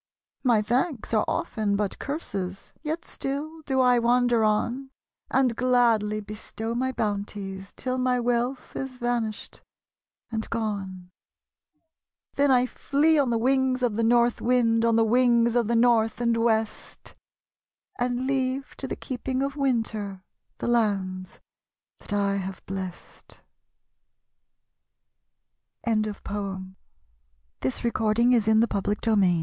My thanks are often but curses, Yet still do I wander on; And gladly bestow my bounties Till my wealth is vanished and gone; Then I flee on the wings of the North wind, On the wings of the North and West; And leave to the keeping of Winter The lands that I have blest. ' SOWN. The fruit laden wi